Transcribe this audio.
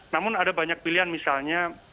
namun ada banyak pilihan misalnya